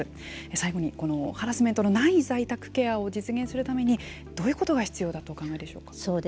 最後に、ハラスメントのない在宅ケアを実現するためにどういうことが必要だとお考えでしょうか。